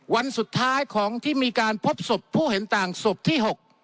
วันสุดท้ายของที่มีการพบศพผู้เห็นต่างศพที่๖